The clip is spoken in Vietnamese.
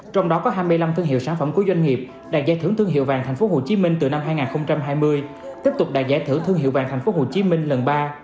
trong đó có hai mươi năm thương hiệu sản phẩm của doanh nghiệp đạt giải thưởng thương hiệu vàng tp hcm từ năm hai nghìn hai mươi tiếp tục đạt giải thưởng thương hiệu vàng tp hcm lần ba